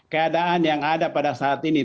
keadaan yang ada pada saat ini